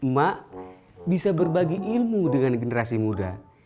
mak bisa berbagi ilmu dengan generasi muda